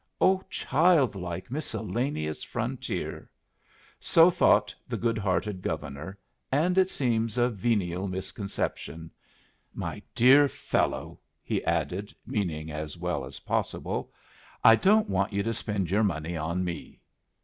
Oh, childlike, miscellaneous Frontier! So thought the good hearted Governor; and it seems a venial misconception. "My dear fellow," he added, meaning as well as possible, "I don't want you to spend your money on me."